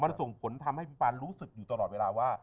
มันส่งผลทำให้พี่ปานรู้สึกอยู่ตลอดเวลาว่า